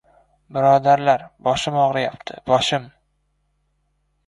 Birodarlar, boshim og‘riyapti, boshim...